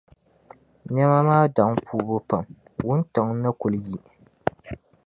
Niɛma maa daŋ kuubu pam, wuntaŋ ni kuli yi.